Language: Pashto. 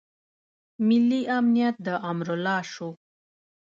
ملي امنیت د امرالله شو.